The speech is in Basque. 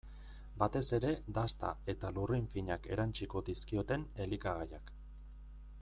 Batez ere dasta eta lurrin finak erantsiko dizkioten elikagaiak.